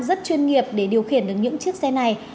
rất chuyên nghiệp để điều khiển được những chiếc xe này